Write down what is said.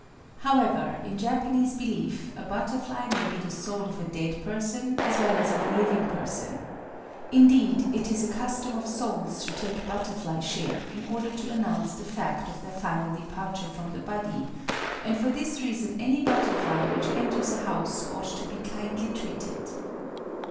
However, in Japanese belief, a butterfly may be the soul of a dead person as well as of a living person. Indeed it is a custom of souls to take butterfly shape in order to announce the fact of their final departure from the body; and for this reason any butterfly which enters a house ought to be kindly treated.